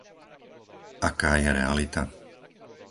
Aká je realita?